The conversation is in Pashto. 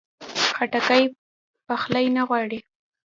خټکی پخلی نه غواړي.